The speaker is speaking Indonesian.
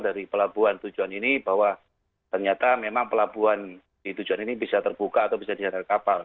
jadi pelabuhan tujuan ini bahwa ternyata memang pelabuhan di tujuan ini bisa terbuka atau bisa dihadir kapal